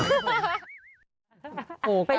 เด็กแม่น้อย